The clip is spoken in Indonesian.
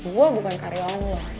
gue bukan karyawan lo